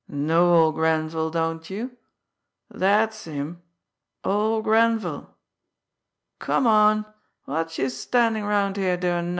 Know ol' Grenville, don't you that's him ol' Grenville. Come on, whatsh's use standin' round here doin' nothin'!"